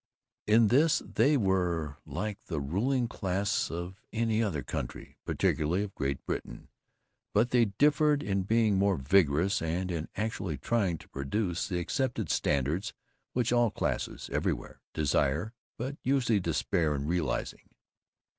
In this they were like the ruling class of any other country, particularly of Great Britain, but they differed in being more vigorous and in actually trying to produce the accepted standards which all classes, everywhere, desire, but usually despair of realizing.